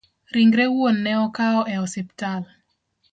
Ringre wuon ne okawo e osiptal